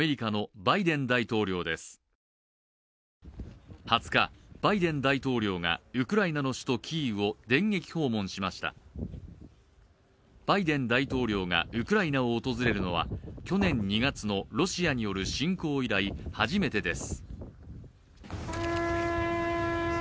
バイデン大統領がウクライナを訪れるのは去年２月のロシアによる侵攻以来初めてです。